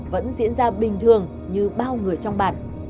vẫn diễn ra bình thường như bao người trong bản